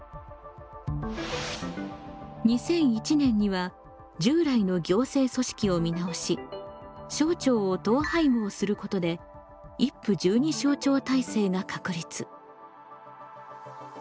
２００１年には従来の行政組織を見直し省庁を統廃合することで１府１２省庁体制が確立。